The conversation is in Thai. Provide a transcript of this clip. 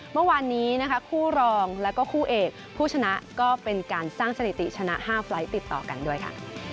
เมื่อวานนี้นะคะคู่รองแล้วก็คู่เอกผู้ชนะก็เป็นการสร้างสถิติชนะ๕ไฟล์ทติดต่อกันด้วยค่ะ